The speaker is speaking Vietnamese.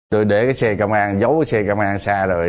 tôi để cái xe công an giấu xe công an xa rồi